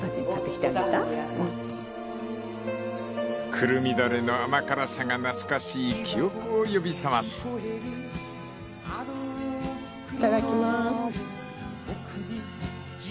［くるみだれの甘辛さが懐かしい記憶を呼び覚ます］いただきます。